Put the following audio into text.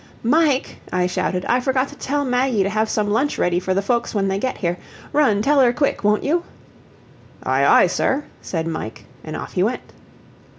"Mike," I shouted, "I forgot to tell Maggie to have some lunch ready for the folks when they get here run, tell her, quick, won't you?" "Oye, oye, sur," said Mike, and off he went.